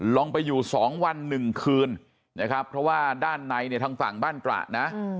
ลองไปอยู่๒วัน๑คืนนะครับเพราะว่าด้านในเนี่ยทางฝั่งบ้านตระนะ